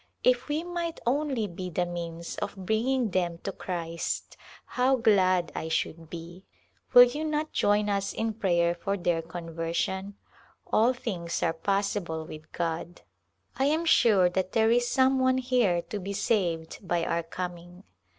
If we might only be the means of bringing them to Christ how glad I should be ! Will you not join us in prayer for their conversion ? All things are possi ble with God. I am sure that there is some one here to be saved by our coming.